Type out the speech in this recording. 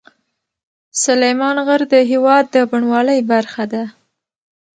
سلیمان غر د هېواد د بڼوالۍ برخه ده.